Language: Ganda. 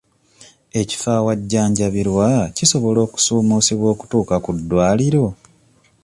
Ekifo awajjanjabirwa kisobola okusuumusibwa okutuuka ku ddwaliro?